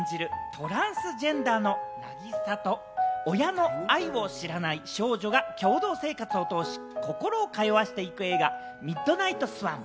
トランスジェンダーの凪沙と、親の愛を知らない少女が共同生活を通し、心を通わしていく映画『ミッドナイトスワン』。